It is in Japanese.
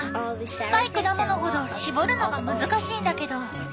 酸っぱい果物ほど搾るのが難しいんだけど。